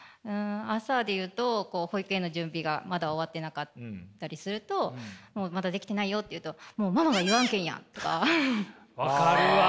朝で言うと保育園の準備がまだ終わってなかったりすると「まだできてないよ」って言うと「ママが言わんけんやん！」とか。分かるわ。